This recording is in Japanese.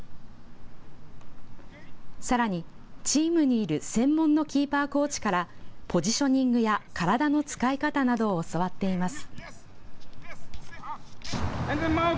さらに、チームにいる専門のキーパーコーチからポジショニングや体の使い方などを教わっています。